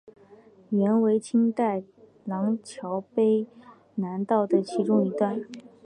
原为清代琅峤卑南道的其中一段。